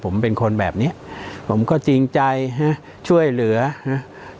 ผมเป็นคนแบบเนี้ยผมก็จริงใจฮะช่วยเหลือฮะ